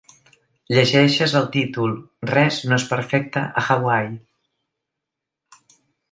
Llegeixes el títol: Res no és perfecte a Hawaii.